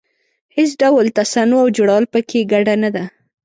هېڅ ډول تصنع او جوړول په کې ګډه نه ده.